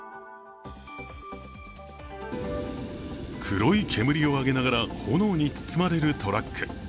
黒い煙を上げながら炎に包まれるトラック。